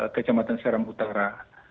kecematan seram utara